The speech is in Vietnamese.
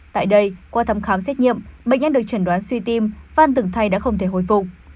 tại đây qua thăm khám xét nghiệm bệnh nhân được chẩn đoán suy tim phan tưởng thay đã không thể hồi phục